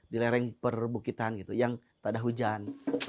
di lereng perbukitan gitu yang tak ada hujan